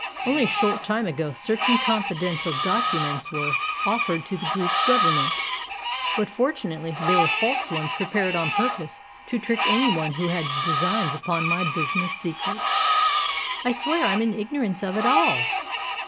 Only a short time ago certain confidential documents were offered to the Greek Government, but fortunately they were false ones prepared on purpose to trick any one who had designs upon my business secrets." "I swear I am in ignorance of it all."